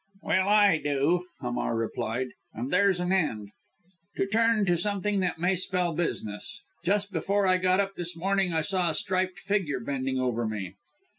"Well, I do," Hamar replied, "and there's an end. To turn to something that may spell business. Just before I got up this morning I saw a striped figure bending over me!"